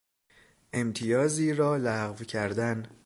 امتیازی را لغو کردن